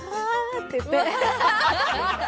って言って。